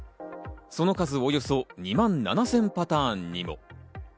その数、およそ２万７０００パターンにも。